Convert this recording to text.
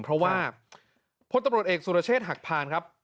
เพราะว่าพตเอกสุรเชษฐ์หักพางครับ